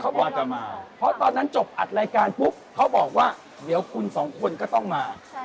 เขาบอกว่าเพราะตอนนั้นจบอัดรายการปุ๊บเขาบอกว่าเดี๋ยวคุณสองคนก็ต้องมา